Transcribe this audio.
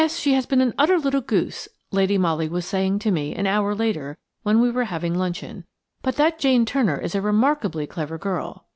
she has been an utter little goose," Lady Molly was saying to me an hour later when we were having luncheon; "but that Jane Turner is a remarkably clever girl."